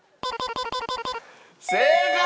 正解！